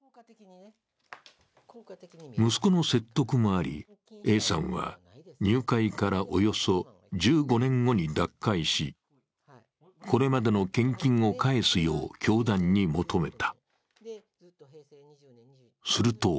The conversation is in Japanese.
息子の説得もあり、Ａさんは入会からおよそ１５年後に脱会し、これまでの献金を返すよう教団に求めた。